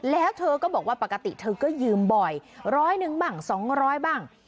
แล้วเธอก็บอกว่าปกติเธอก็ยืมบ่อยร้อยหนึ่งบ้างสองร้อยบ้าง